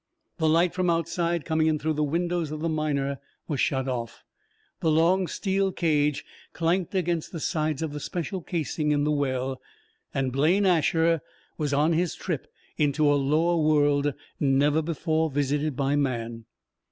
The light from outside, coming in through the windows of the Miner, was shut off. The long steel cage clanked against the sides of the special casing in the well, and Blaine Asher was on his trip into a lower world never before visited by man.